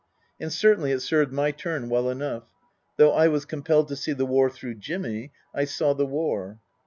And certainly it served my turn well enough. Though I was compelled to see the war through Jimmy, I saw the war.